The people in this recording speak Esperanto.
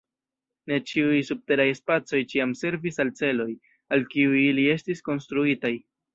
Ne ĉiuj subteraj spacoj ĉiam servis al celoj, al kiuj ili estis konstruitaj.